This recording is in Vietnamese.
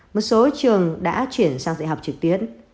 một số trường đã chuyển sang dạy học trực tuyến